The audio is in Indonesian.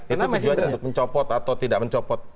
itu juga ada untuk mencopot atau tidak mencopot